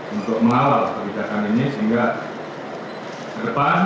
untuk mengawal kebijakan ini sehingga ke depan